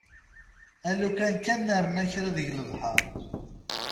Alukan kan nerna kra deg lebḥer.